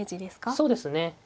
そうですね。